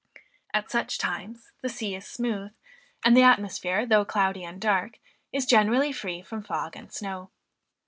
At such times the sea is smooth, and the atmosphere, though cloudy and dark, is generally free from fog and snow.